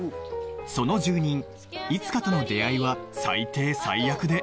その住人いつかとの出会いは最低最悪で